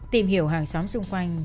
tìm hiểu hàng xóm xung quanh